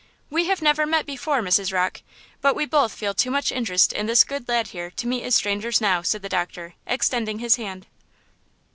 "We have never met before, Mrs. Rocke, but we both feel too much interest in this good lad here to meet as strangers now," said the doctor, extending his hand.